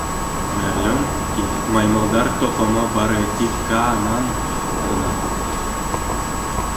Мәғлүм ки: Маймылдар Тоҡомо бары тик Каанан ғына ҡурҡа.